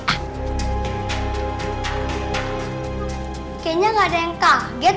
kayaknya nggak ada yang kaget